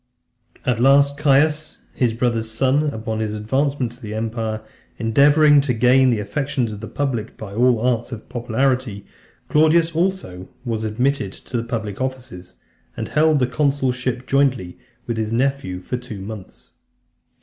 VII. At last, Caius , his brother's son, upon his advancement to the empire, endeavouring to gain the affections of the public by all the arts of popularity, Claudius also was admitted to public offices, and held the consulship jointly with his nephew for two months.